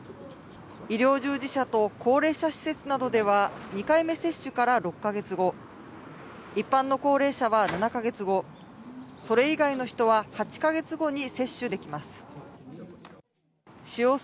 医療従事者と高齢者施設などでは２回目接種から６か月後、一般の高齢者は７か月後、それ以外の人は８か月後に接種できます。